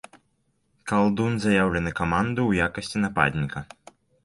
Калдун заяўлены ў каманду ў якасці нападніка.